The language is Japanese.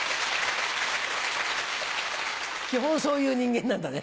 基本そういう人間なんだね。